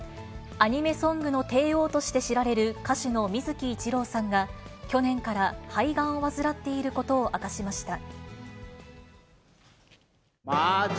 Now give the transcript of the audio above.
アニメソングの帝王として知られる、歌手の水木一郎さんが、去年から肺がんを患っていることを明かしました。